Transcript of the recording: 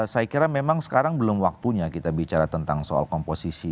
saya kira memang sekarang belum waktunya kita bicara tentang soal komposisi